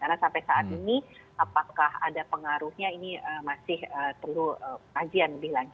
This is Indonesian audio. karena sampai saat ini apakah ada pengaruhnya ini masih terlalu panjang lebih lanjut